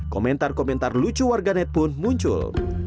komentar komentar lucu warga net pun muncul